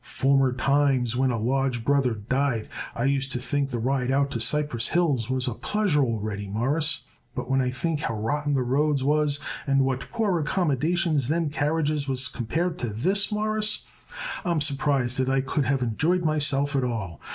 Former times when a lodge brother died, I used to think the ride out to Cypress Hills was a pleasure already, Mawruss, but when I think how rotten the roads was and what poor accommodations them carriages was compared to this, Mawruss, I'm surprised that I could have enjoyed myself at all.